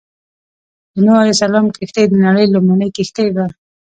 د نوح عليه السلام کښتۍ د نړۍ لومړنۍ کښتۍ وه.